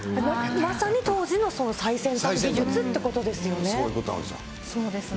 まさに当時の最先端技術ってそういうことですよ。